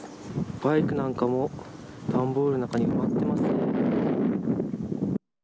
バイクなんかも段ボールの中に埋まっていますね。